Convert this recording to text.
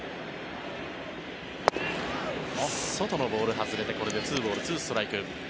外のボール外れてこれで２ボール２ストライク。